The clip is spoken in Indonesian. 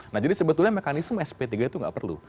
nah jadi sebetulnya mekanisme sp tiga itu nggak perlu